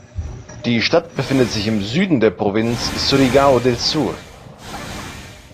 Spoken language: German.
Die Stadt befindet sich im Süden der Provinz Surigao del Sur.